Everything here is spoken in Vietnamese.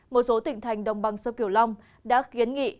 một số tỉnh thành đồng bằng sông kiều long đã kiến nghị